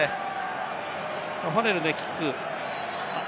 ファレルね、キック。